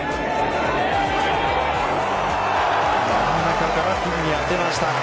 真ん中からピンに当てました。